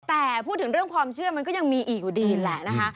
แต่พูดถึงเรื่องความเชื่อมันก็ยังมีอีกอยู่ดีแหละนะคะ